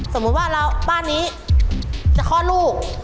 สมมุติว่าบ้านนี้จะคลอดลูก